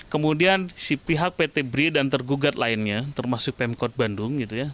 kemudian si pihak pt bri dan tergugat lainnya termasuk pemkot bandung gitu ya